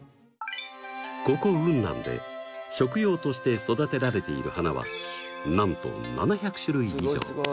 ここ雲南で食用として育てられている花はなんと７００種類以上。